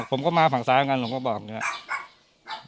อ่ะผมก็มาฝั่งซ้ายเหมือนกันผมก็บอกอย่างเงี้ย